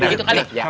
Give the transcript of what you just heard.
nah gitu kali